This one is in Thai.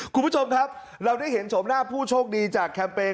คุณผู้ชมครับเราได้เห็นชมหน้าผู้โชคดีจากแคมเปญ